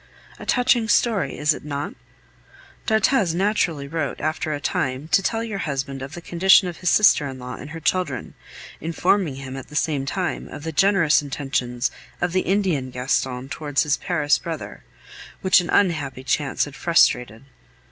A touching story, is it not? D'Arthez naturally wrote, after a time, to tell your husband of the condition of his sister in law and her children, informing him, at the same time, of the generous intentions of the Indian Gaston towards his Paris brother, which an unhappy chance had frustrated.